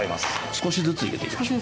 少しずつ入れていきましょう。